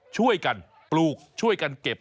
ช่วยกันปลูกช่วยกันเก็บ